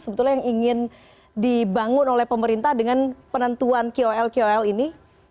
sebetulnya yang ingin dibangun oleh pemerintah dengan penentuan kol kol ini